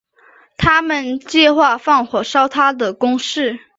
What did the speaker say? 他们计划放火烧他的宫室。